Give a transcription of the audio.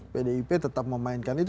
pdip tetap memainkan itu